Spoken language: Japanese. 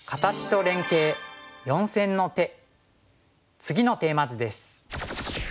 次のテーマ図です。